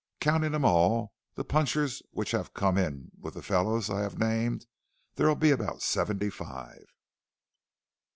Countin' 'em all the punchers which have come in with the fellows I have named there'll be about seventy five.